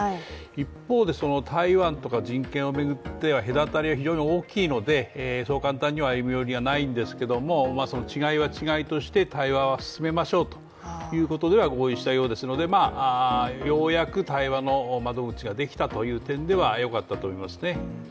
一方で、台湾とか人権を巡っては隔たりは非常に大きいので、そう簡単には歩み寄りはないんですけれども違いは違いとして対話は進めましょうということでは合意したようですのでようやく対話の窓口ができたという点では良かったと思いますね。